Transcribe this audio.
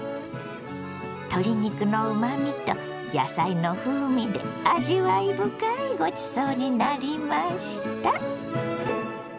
鶏肉のうまみと野菜の風味で味わい深いごちそうになりました。